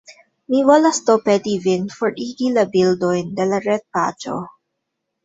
Mi volas do peti vin forigi la bildojn de la retpaĝo.